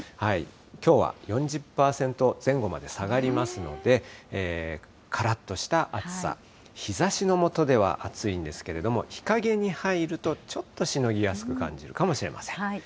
きょうは４０％前後まで下がりますので、からっとした暑さ、日ざしの下では暑いんですけれども、日陰に入るとちょっとしのぎやすく感じるかもしれません。